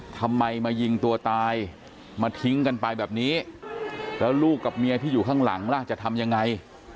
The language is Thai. ทำไมมายิงตัวตายมาทิ้งกันไปแบบนี้แล้วลูกกับเมียที่อยู่ข้างหลังล่ะจะทำยังไง